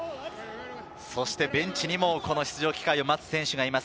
ベンチにも出場機会を待つ選手がいます。